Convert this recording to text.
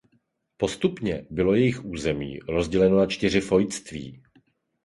Postupně bylo jejich území rozděleno na čtyři fojtství.